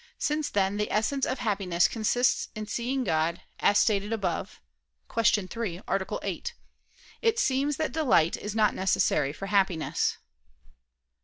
Since then the essence of happiness consists in seeing God, as stated above (Q. 3, A. 8); it seems that delight is not necessary for happiness.